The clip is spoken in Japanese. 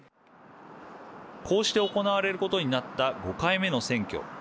こうして行われることになった５回目の選挙。